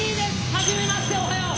はじめましておはよう！